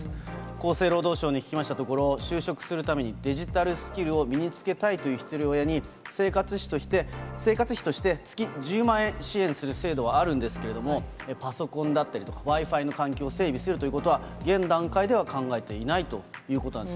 厚生労働省に聞きましたところ、就職するためにデジタルスキルを身につけたいというひとり親に生活費として、月１０万円支援する制度はあるんですけれども、パソコンだったり、Ｗｉ−Ｆｉの環境を整備するということは、現段階では考えていないということなんです。